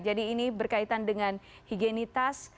jadi ini berkaitan dengan higienis